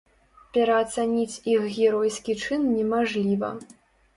Пераацаніць іх геройскі чын немажліва.